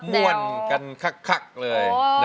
มวลกันคักเลย